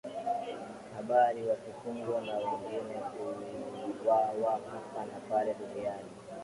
habari wakifungwa na wengine kuuwawa hapa na pale duniani